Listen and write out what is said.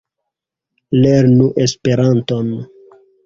Lernu Esperanton!